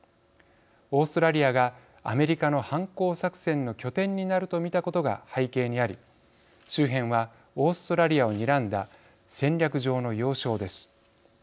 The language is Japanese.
オーストラリアがアメリカの反攻作戦の拠点になると見たことが背景にあり周辺はオーストラリアをにらんだ戦略上の要衝です。